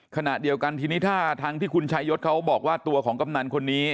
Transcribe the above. ขณะเดียวกันทีนี้ถ้าทางที่คุณชายศเขาบอกว่าตัวของกำนันคนนี้